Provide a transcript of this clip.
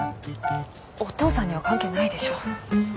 お父さんには関係ないでしょ。